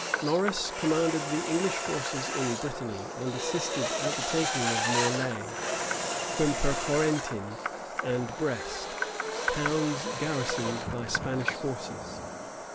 Norris commanded the English forces in Brittany, and assisted at the taking of Morlaix, Quimpercorentin, and Brest, towns garrisoned by Spanish forces.